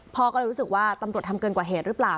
พ่อก็เลยรู้สึกว่าตำรวจทำเกินกว่าเหตุหรือเปล่า